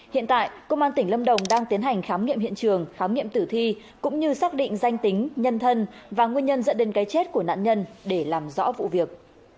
hiện tại công an tỉnh lâm đồng đang tiến hành khám nghiệm hiện trường khám nghiệm tử thi cũng như xác định danh tính nhân thân và nguyên nhân dẫn đến cái chết của nạn nhân để làm rõ vụ việc